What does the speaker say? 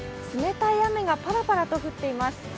冷たい雨がパラパラと降っています。